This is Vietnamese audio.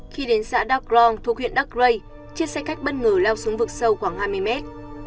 khi đến xã dark long thuộc huyện dark ray chiếc xe khách bất ngờ leo xuống vực sâu khoảng hai mươi mét